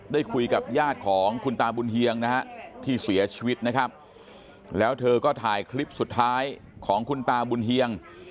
ได้คุยกับญาติของคุณตาบุญเฮียงนะฮะที่เสียชีวิตนะครับแล้วเธอก็ถ่ายคลิปสุดท้ายของคุณตาบุญเฮียง